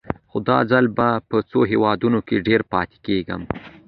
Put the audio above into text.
خو دا ځل به په څو هېوادونو کې ډېر پاتې کېږم.